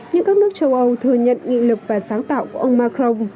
nhưng các nước châu âu thừa nhận nghị lực và sáng tạo của ông macron